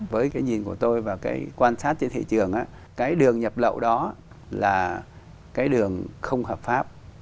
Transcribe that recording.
với cái nhìn của tôi và cái quan sát trên thị trường á cái đường nhập lậu đó là cái đường không hợp pháp